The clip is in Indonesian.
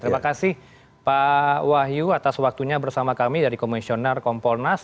terima kasih pak wahyu atas waktunya bersama kami dari komisioner kompolnas